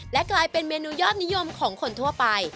และกลายเป็นเมนูยอดนิยมของคนทั่วไป